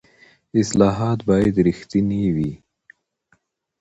اصلاحات باید رښتیني وي